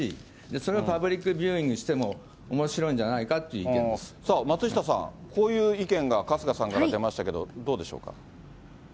それがパブリックビューイングにしてもおもしろいんじゃないかと松下さん、こういう意見が春日さんから出ましたけど、どうでしょうか？